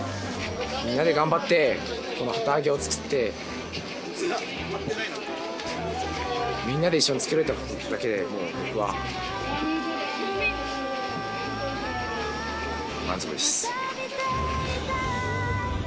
みんなで頑張ってこの旗上げを作ってみんなで一緒に作れたことだけでもう僕は満足です。